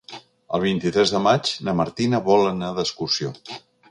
El vint-i-tres de maig na Martina vol anar d'excursió.